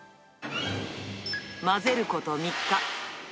混ぜること３日。